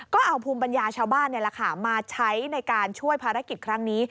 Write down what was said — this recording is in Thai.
ก็เอาภูมิปัญญาชาวบ้านมาใช้ในการช่วยภารกิจครั้งนี้